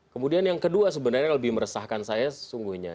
kemudian yang kedua sebenarnya yang lebih meresahkan saya sesungguhnya